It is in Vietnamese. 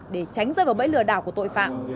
để tránh rơi vào bẫy lừa đảo của tội phạm